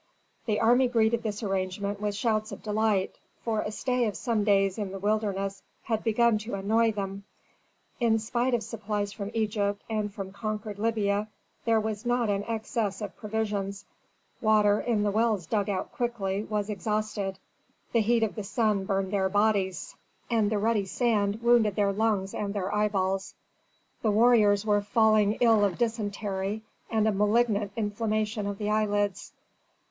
The army greeted this arrangement with shouts of delight, for a stay of some days in the wilderness had begun to annoy them. In spite of supplies from Egypt and from conquered Libya, there was not an excess of provisions; water in the wells dug out quickly, was exhausted; the heat of the sun burned their bodies, and the ruddy sand wounded their lungs and their eyeballs. The warriors were falling ill of dysentery and a malignant inflammation of the eyelids.